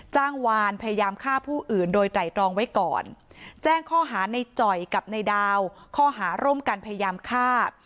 จ้างวานพยายามฆ่าผู้อื่นโดยไตรรองไว้ก่อนแจ้งข้อหาในจ่อยกับในดาวข้อหาร่วมกันพยายามฆ่า